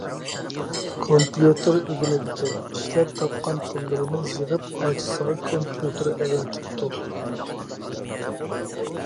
كومپيۇتېر ئۆگىنىدىكەن، ئىشلەپ تاپقان پۇللىرىنى يىغىپ ئاچىسىغا كومپيۇتېر ئەۋەتىپتۇ.